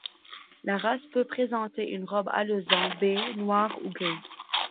La race peut présenter une robe alezan, bai, noir ou gris.